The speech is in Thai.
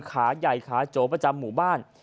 ขาใหญ่ขาโจประจำหมู่บ้าน